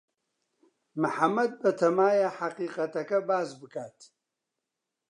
محەمەد بەتەمایە حەقیقەتەکە باس بکات.